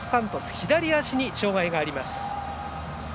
左足に障がいがあります。